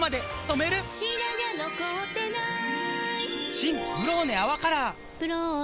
新「ブローネ泡カラー」「ブローネ」